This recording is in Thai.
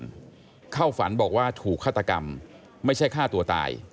เข้าฝันบอกว่าถูกฆาตกรรมไม่ใช่ฆ่าตัวตาย